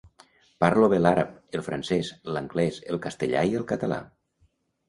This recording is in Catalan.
Parlo bé l'àrab, el francès, l'anglès, el castellà i el català.